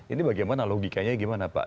ini bagaimana logikanya gimana pak